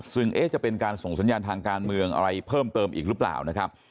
ซึ่งจะเป็นการส่งสัญญาณทางการเมืองอะไรเพิ่มเติมอีกหรือเปล่านะครับ